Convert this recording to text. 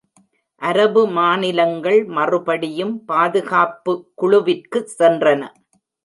அரபு மாநிலங்கள் மறுபடியும் பாதுகாப்பு குழுவிற்கு சென்றன.